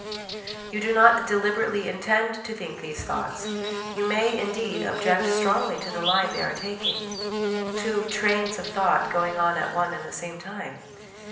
You do not deliberately intend to think these thoughts; you may, indeed, object strongly to the line they are taking (two 'trains' of thought going on at one and the same time